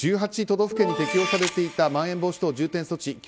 １８都道府県に適用されていたまん延防止等重点措置